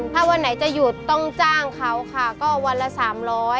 ถ้าวันไหนจะหยุดต้องจ้างเขาค่ะก็วันละสามร้อย